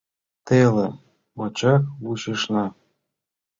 Теле гочак вучышна